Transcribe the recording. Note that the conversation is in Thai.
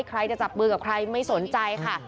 ใครจะจับมือกับใครไม่สนใจค่ะ